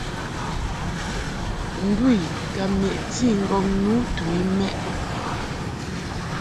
Ndu I ka meʼti ŋgɔŋ nu tu i mɛʼ.